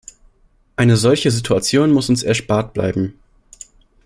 Eine solche Situation muss uns erspart bleiben.